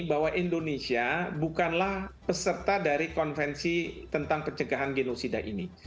bahwa indonesia bukanlah peserta dari konvensi tentang pencegahan genosida ini